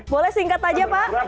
boleh singkat aja pak